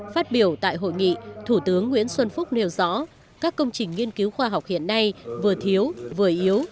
phát biểu tại hội nghị thủ tướng nguyễn xuân phúc nêu rõ các công trình nghiên cứu khoa học hiện nay vừa thiếu vừa yếu